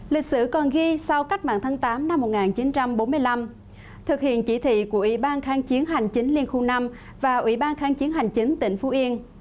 lịch sử còn ghi sau cách mạng tháng tám năm một nghìn chín trăm bốn mươi năm thực hiện chỉ thị của ủy ban kháng chiến hành chính liên khu năm và ủy ban kháng chiến hành chính tỉnh phú yên